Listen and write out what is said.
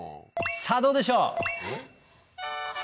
さぁどうでしょう？